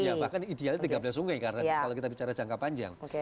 iya bahkan idealnya tiga belas sungai karena kalau kita bicara jangka panjang